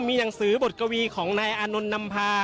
มีหนังสือบทกวีของนายอานนท์นำพา